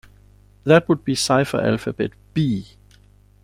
That would be cipher alphabet 'B'.